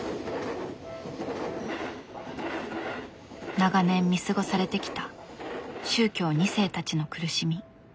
長年見過ごされてきた宗教２世たちの苦しみ。